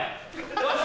よし！